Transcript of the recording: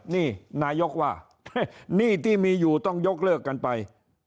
นี่นายกว่าหนี้ที่มีอยู่ต้องยกเลิกกันไป